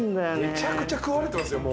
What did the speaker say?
めちゃくちゃ食われてますよ